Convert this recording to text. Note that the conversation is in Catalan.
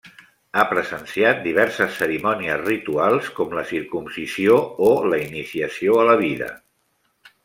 Ha presenciat diverses cerimònies rituals, com la circumcisió, o la iniciació a la vida.